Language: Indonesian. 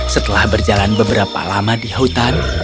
setelah berjalan beberapa lama di hutan